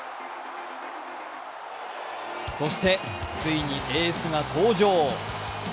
そして、ついにエースが登場。